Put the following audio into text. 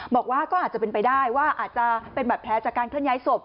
บอกว่าก็อาจจะเป็นไปได้ว่าอาจจะเป็นบัตรแผลจากการเคลื่อยศพ